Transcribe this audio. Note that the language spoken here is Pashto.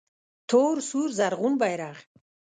تور سور زرغون بیرغ